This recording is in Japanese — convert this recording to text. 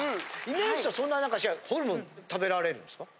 イメージとしてはそんなにホルモン食べられるんですか？